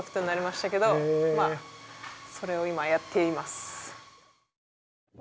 まあそれを今やっています。